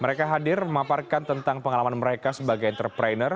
mereka hadir memaparkan tentang pengalaman mereka sebagai entrepreneur